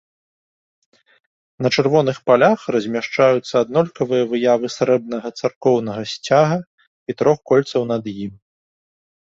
На чырвоных палях размяшчаюцца аднолькавыя выявы срэбнага царкоўнага сцяга і трох кольцаў над ім.